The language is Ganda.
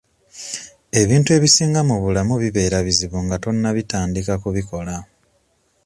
Ebintu ebisinga mu bulamu bibeera bizibu nga tonnabitandika kubikola.